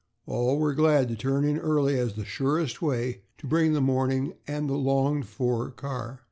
All were glad to turn in early as the surest way to bring the morning and the longed for car.